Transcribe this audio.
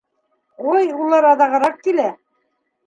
Ой, улар аҙағыраҡ килә!